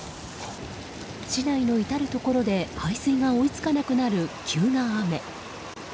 市内の至るところで排水が追い付かなくなる急な雨。